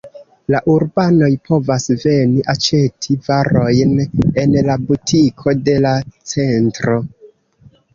La urbanoj povas veni aĉeti varojn en la butiko de la centro.